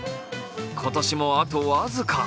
今年もあと僅か。